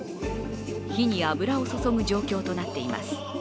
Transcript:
火に油を注ぐ状況となっています。